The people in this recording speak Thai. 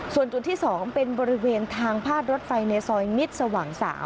ส่วนจุดที่๒เป็นบริเวณทางพาดรถไฟในซอยมิตรสว่าง๓